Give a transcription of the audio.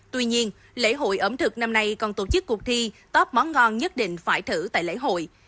tuy nhiên lễ hội ẩm thực năm nay còn tổ chức cuộc thi top món ngon nhất định phải thử tại lễ hội